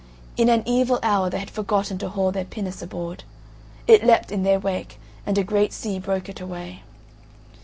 In an evil hour they had forgotten to haul their pinnace aboard; it leapt in their wake, and a great sea broke it away.